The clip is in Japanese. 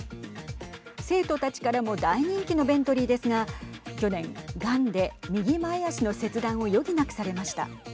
生徒たちからも大人気のベントリーですが去年がんで右前脚の切断を余儀なくされました。